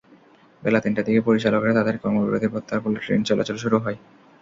বেলা তিনটার দিকে পরিচালকেরা তাঁদের কর্মবিরতি প্রত্যাহার করলে ট্রেন চলাচল শুরু হয়।